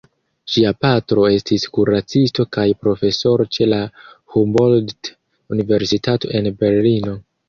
Ŝia patro estis kuracisto kaj profesoro ĉe la Humboldt-Universitato en Berlino.